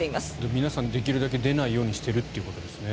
皆さんできるだけ出ないようにしているということですね。